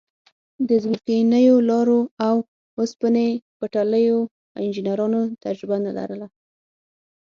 د ځمکنیو لارو او اوسپنې پټلیو انجنیرانو تجربه نه لرله.